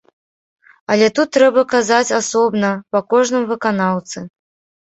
Але тут трэба казаць асобна па кожным выканаўцы.